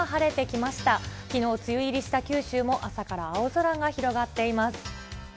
きのう梅雨入りした九州も朝から青空が広がっています。